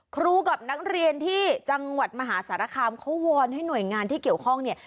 กับนักเรียนที่จังหวัดมหาสารคามเขาวอนให้หน่วยงานที่เกี่ยวข้องเนี่ย